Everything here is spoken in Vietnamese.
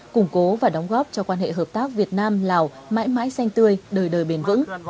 củng cố và đóng góp cho quan hệ hợp tác việt nam lào mãi mãi xanh tươi đời đời bền vững